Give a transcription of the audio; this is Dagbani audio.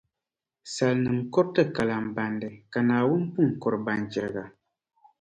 Salinima kuriti kalana bandi, ka Naawuni pun kuri banchiriga.